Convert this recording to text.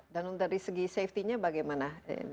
dan dari segi safety nya bagaimana